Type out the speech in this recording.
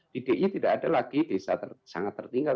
di dia tidak ada lagi desa sangat tertinggal